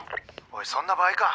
おいそんな場合か。